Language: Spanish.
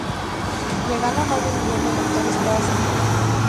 Llegando a más de un millón de lectores cada semana.